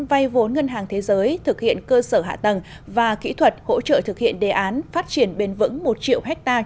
vay vốn ngân hàng thế giới thực hiện cơ sở hạ tầng và kỹ thuật hỗ trợ thực hiện đề án phát triển bền vững một triệu hectare